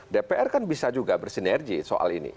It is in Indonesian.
dpr kan bisa juga bersinergi soal ini